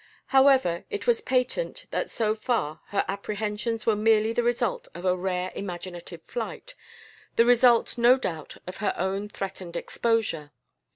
However, it was patent that so far her apprehensions were merely the result of a rare imaginative flight, the result, no doubt, of her own threatened exposure.